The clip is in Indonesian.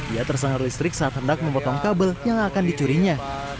ia tersengat listrik saat hendak memotong kabel yang akan dicurinya